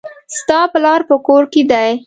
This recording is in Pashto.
ستا پلار په کور کښي دئ.